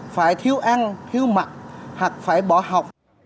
phải thiếu ăn thiếu mặt hoặc phải bỏ học